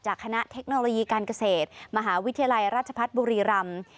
คณะเทคโนโลยีการเกษตรมหาวิทยาลัยราชพัฒน์บุรีรำ